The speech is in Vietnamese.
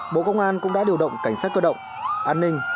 bộ công an cũng đã điều động cảnh sát cơ động an ninh